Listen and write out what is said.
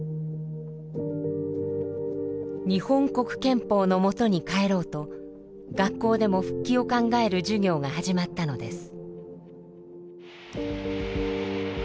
日本国憲法のもとに返ろうと学校でも復帰を考える授業が始まったのです。